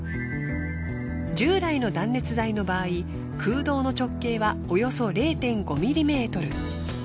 従来の断熱材の場合空洞の直径はおよそ０．５ｍｍ。